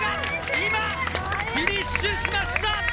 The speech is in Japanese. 今、フィニッシュしました。